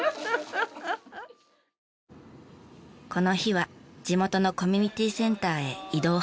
この日は地元のコミュニティセンターへ移動販売。